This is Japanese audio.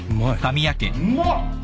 うまっ！